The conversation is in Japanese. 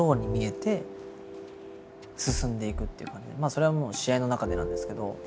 それはもう試合の中でなんですけど。